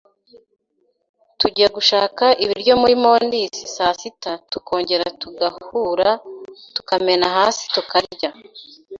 tujya gushaka ibiryo muri mondisi saa sita tukongera tugahura tukamena hasi tukarya,